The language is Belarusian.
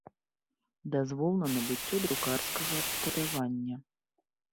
Дазвол на набыццё друкарскага абсталявання.